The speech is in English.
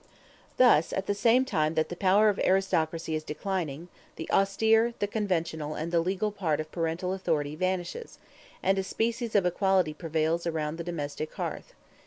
Thus, at the same time that the power of aristocracy is declining, the austere, the conventional, and the legal part of parental authority vanishes, and a species of equality prevails around the domestic hearth.